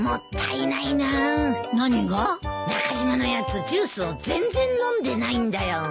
中島のやつジュースを全然飲んでないんだよ。